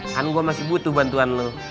kan gue masih butuh bantuan lo